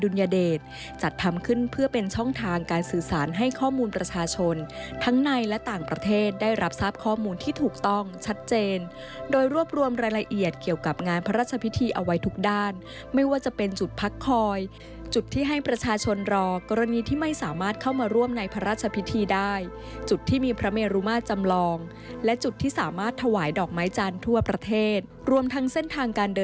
เดชจัดทำขึ้นเพื่อเป็นช่องทางการสื่อสารให้ข้อมูลประชาชนทั้งในและต่างประเทศได้รับทราบข้อมูลที่ถูกต้องชัดเจนโดยรวบรวมรายละเอียดเกี่ยวกับงานพระราชพิธีเอาไว้ทุกด้านไม่ว่าจะเป็นจุดพักคอยจุดที่ให้ประชาชนรอกรณีที่ไม่สามารถเข้ามาร่วมในพระราชพิธีได้จุดที่มีพระเมรุมาตรจำลองและจุดที่สามารถถวายดอกไม้จันทร์ทั่วประเทศรวมทั้งเส้นทางการ